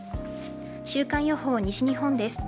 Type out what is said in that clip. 週間予報、西日本です。